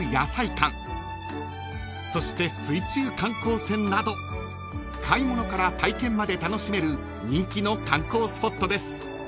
［そして水中観光船など買い物から体験まで楽しめる人気の観光スポットです］